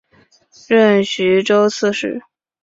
任徐州刺史。